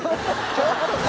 ちょっとな。